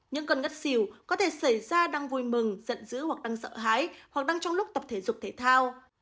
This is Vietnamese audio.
những cơn ngất xỉu có thể xảy ra đang vui mừng giận dữ hoặc đang sợ hãi hoặc đang trong lúc tập thể dục thể thao